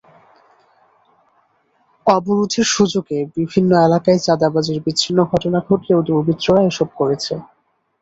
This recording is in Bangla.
অবরোধের সুযোগে বিভিন্ন এলাকায় চাঁদাবাজির বিচ্ছিন্ন ঘটনা ঘটলেও দুর্বৃত্তরা এসব করছে।